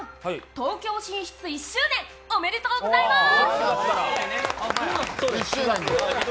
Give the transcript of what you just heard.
東京進出１周年おめでとうございます。